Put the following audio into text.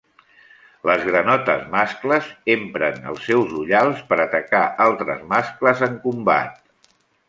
Les granotes mascles empren els seus ullals per atacar altres mascles en combat.